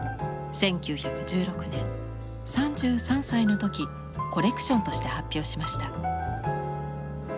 １９１６年３３歳の時コレクションとして発表しました。